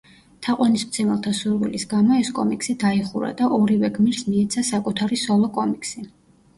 თაყვანისმცემელთა სურვილის გამო ეს კომიქსი დაიხურა და ორივე გმირს მიეცა „საკუთარი სოლო კომიქსი“.